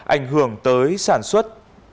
ảnh hưởng tới sản xuất